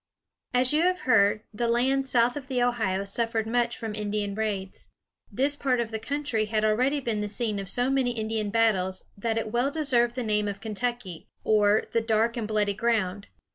As you have heard, the land south of the Ohio suffered much from Indian raids. This part of the country had already been the scene of so many Indian battles that it well deserved the name of Kentucky, or the "dark and bloody ground."